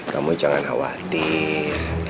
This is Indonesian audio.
kamu jangan khawatir